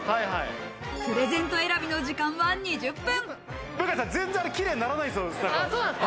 プレゼント選びの時間は２０分。